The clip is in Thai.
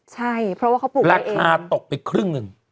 ใช่เพราะว่าเขาปลูกราคาตกไปครึ่งหนึ่ง